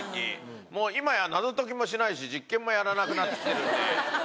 もう今や謎ときもしないし実験もやらなくなってきてるんで。